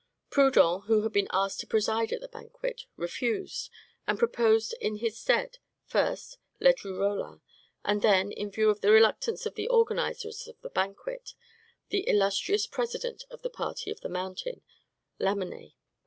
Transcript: Proudhon, who had been asked to preside at the banquet, refused, and proposed in his stead, first, Ledru Rollin, and then, in view of the reluctance of the organizers of the banquet, the illustrious president of the party of the Mountain, Lamennais.